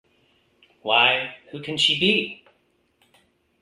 Why, who can she be?